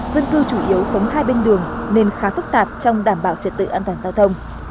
dân cư chủ yếu sống hai bên đường nên khá phức tạp trong đảm bảo trật tự an toàn giao thông